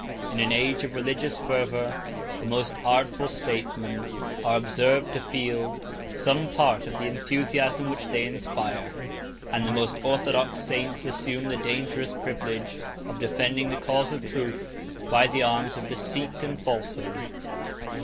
In an age of religious fervor, the most artful statesmen are observed to feel some part of the enthusiasm which they inspire, and the most orthodox saints assume the dangerous privilege of defending the cause of truth by the arms of deceit and falsehood.